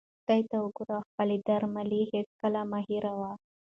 خدای ته وګوره او خپلې درملې هیڅکله مه هېروه.